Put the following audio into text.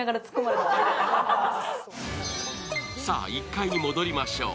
さあ、１階に戻りましょう。